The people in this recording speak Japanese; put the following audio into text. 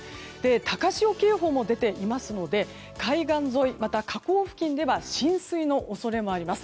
高潮警報も出ていますので海岸沿い、また河口付近では浸水の恐れもあります。